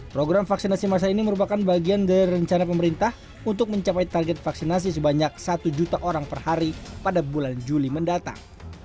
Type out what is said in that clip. program vaksinasi masal ini merupakan bagian dari rencana pemerintah untuk mencapai target vaksinasi sebanyak satu juta orang per hari pada bulan juli mendatang